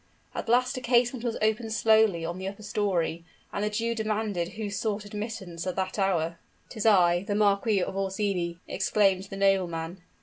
At last a casement was opened slowly on the upper story; and the Jew demanded who sought admittance at that hour. "'Tis I, the Marquis of Orsini!" exclaimed the nobleman.